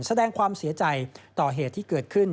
แสดงความเสียใจต่อเหตุที่เกิดขึ้น